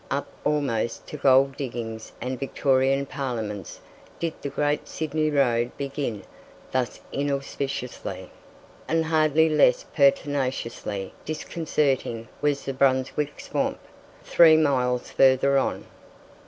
Up almost to gold diggings and Victorian Parliaments did the great Sydney road begin thus inauspiciously, and hardly less pertinaciously disconcerting was the Brunswick swamp, three miles further on.